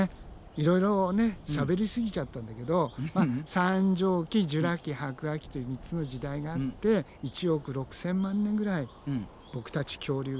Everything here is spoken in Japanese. いろいろしゃべりすぎちゃったんだけど三畳紀ジュラ紀白亜紀という３つの時代があって１億６，０００万年ぐらいボクたち恐竜がね